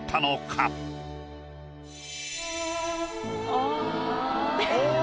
ああ。